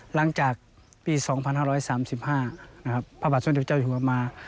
หลังจากปี๒๕๓๕พระบาทสมเด็จเจ้าอยู่หัวมา